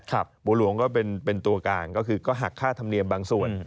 บัวหลวงก็เป็นตัวกลางก็คือก็หักค่าธรรมเนียมบางส่วน